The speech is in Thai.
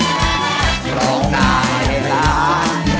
ปัญญาทางนี้ครับร้องได้เลยค่ะ๓๐๐๐บาท